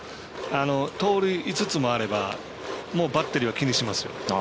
盗塁５つもあればバッテリーは気にしますよ。